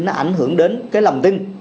nó ảnh hưởng đến cái lòng tin